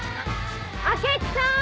明智さん！